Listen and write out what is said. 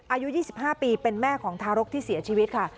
อายุ๒๕ปีเป็นแม่ของทารกที่เสียชีวิตค่ะ